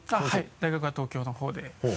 はい大学は東京のほうで。